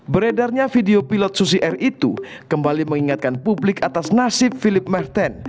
beredarnya video pilot susi air itu kembali mengingatkan publik atas nasib philip merton